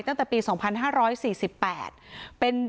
มีคนจมน้ำเสียชีวิต๔ศพแล้วเนี่ย